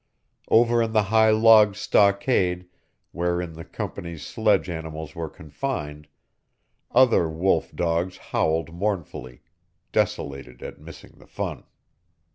Over in the high log stockade wherein the Company's sledge animals were confined, other wolf dogs howled mournfully, desolated at missing the fun.